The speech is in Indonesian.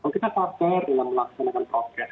kalau kita sabar dengan melaksanakan progres